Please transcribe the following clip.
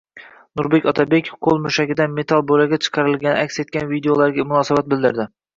Nurmat Otabekov qo‘l mushagidan metall bo‘lagi chiqarilgani aks etgan videolarga munosabat bildirdi